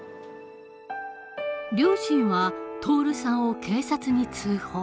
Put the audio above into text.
両親は徹さんを警察に通報。